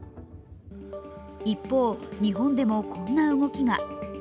一方、日本でもこんな動きが。